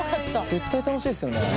絶対楽しいですよね。